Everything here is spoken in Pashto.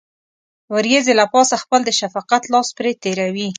وريځې له پاسه خپل د شفقت لاس پرې تېروي.